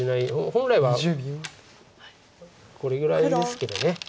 本来はこれぐらいですけど。